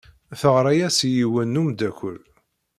Teɣra-as i yiwen n umeddakel.